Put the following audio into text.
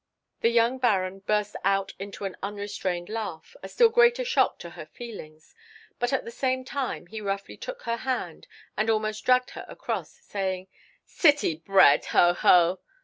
The young baron burst out into an unrestrained laugh—a still greater shock to her feelings; but at the same time he roughly took her hand, and almost dragged her across, saying, "City bred—ho, ho!"